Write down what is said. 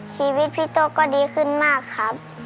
ชีวิตพี่โต๊ะก็ดีขึ้นมากครับ